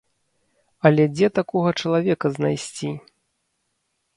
Але дзе такога чалавека знайсці?